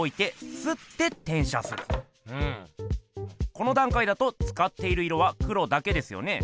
このだんかいだとつかっている色は黒だけですよね？